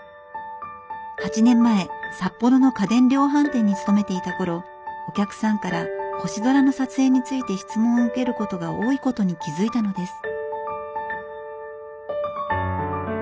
８年前札幌の家電量販店に勤めていた頃お客さんから星空の撮影について質問を受けることが多いことに気付いたのです。